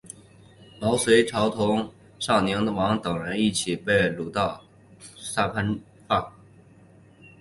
毛凤朝同尚宁王等人一起被掳到萨摩藩。